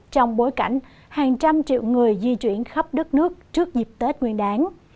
trong bối cảnh hàng trăm triệu người di chuyển khắp đất nước trước dịp tết nguyên đáng